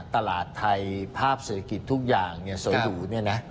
ตลาดไทยภาพเศรษฐกิจทุกอย่างโสดุ